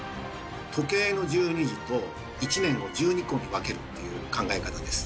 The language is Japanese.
時計の１２時と１年を１２個に分けるという考え方です。